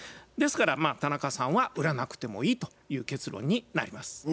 ですから田中さんは売らなくてもいいという結論になります。